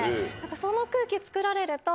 その空気つくられると。